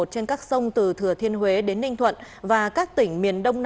trên các sông từ thừa thiên huế đến ninh thuận